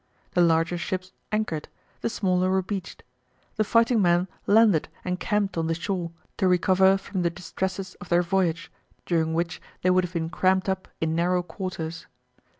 The larger ships anchored, the smaller were beached. The fighting men landed and camped on the shore to recover from the distresses of their voyage, during which they would have been cramped up in narrow quarters.